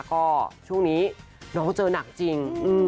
ก็ช่วงนี้น้องเจอหนักจริง